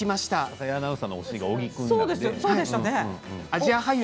浅井アナウンサーの推しは小木君なんですよ。